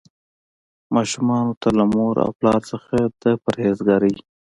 ماشومانو ته له مور او پلار څخه د پرهیزګارۍ.